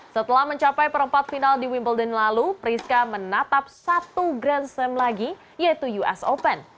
setelah mencapai perempat final di wimbledon lalu priska menatap satu grand slam lagi yaitu us open